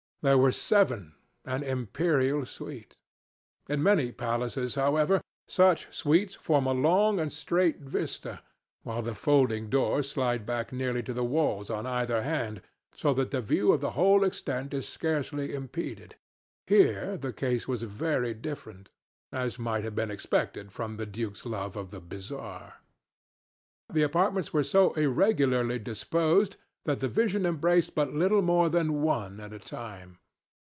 There were seven—an imperial suite. In many palaces, however, such suites form a long and straight vista, while the folding doors slide back nearly to the walls on either hand, so that the view of the whole extent is scarcely impeded. Here the case was very different; as might have been expected from the duke's love of the bizarre. The apartments were so irregularly disposed that the vision embraced but little more than one at a time.